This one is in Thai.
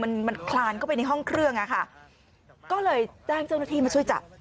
มันมันคลานเข้าไปในห้องเครื่องอ่ะค่ะก็เลยแจ้งเจ้าหน้าที่มาช่วยจับ